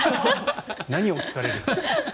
何を聞かれるか。